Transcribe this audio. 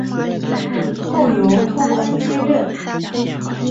后由通恩接任。